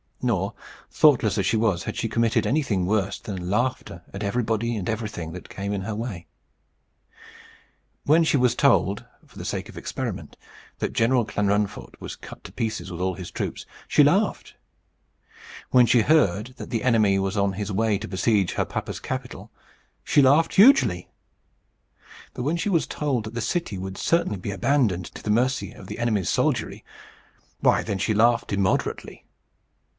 Nor, thoughtless as she was, had she committed anything worse than laughter at everybody and everything that came in her way. When she was told, for the sake of experiment, that General Clanrunfort was cut to pieces with all his troops, she laughed; when she heard that the enemy was on his way to besiege her papa's capital, she laughed hugely; but when she was told that the city would certainly be abandoned to the mercy of the enemy's soldiery why, then she laughed immoderately.